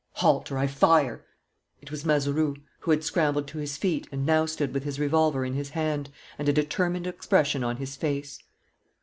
"Halt, or I fire!" It was Mazeroux, who had scrambled to his feet and now stood with his revolver in his hand and a determined expression on his face.